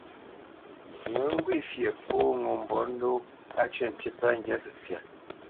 Ŋo ŋgwê fyeʼ pô ŋo mbolə́ndóʼ, á cə̂ ntî pə́ ŋgyǎ səsya.